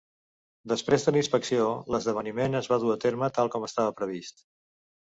Després de la inspecció, l'esdeveniment es va dur a terme tal com estava previst.